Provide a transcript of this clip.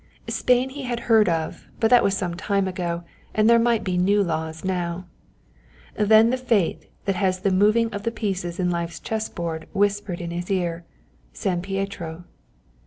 Spain he had heard of, but that was some time ago and there might be new laws now. Then the fate that has the moving of the pieces in life's chessboard whispered in his ear San Pietro.